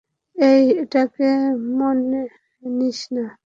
এই, এটাকে মনে নিস না।